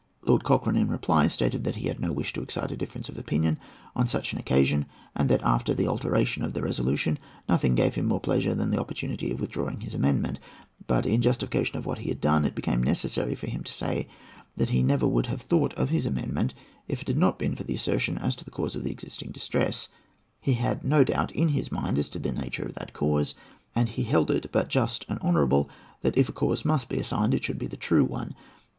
Lord Cochrane, in reply, stated that he had no wish to excite a difference of opinion on such an occasion, and that, after the alteration in the resolution, nothing gave him more pleasure than the opportunity of withdrawing his amendment; but, in justification of what he had done, it became necessary for him to say that he never would have thought of his amendment if it had not been for the assertion as to the cause of existing distress—he had no doubt in his mind as to the nature of that cause, and he held it but just and honourable that if a cause must be assigned, it should be the true one.